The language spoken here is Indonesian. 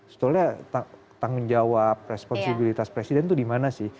setelah tanggung jawab responsibilitas presiden itu dimana sih